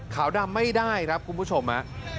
ขาวดำไม่ได้ครับคุณผู้ชม